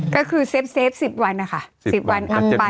ก็คือเซฟ๑๐วันนะคะ๑๐วันอัพไป